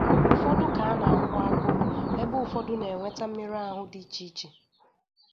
Ụfọdụ ka a na-akwu agụụ ebe ụfọdụ na-enweta mmeru ahụ dị iche iche.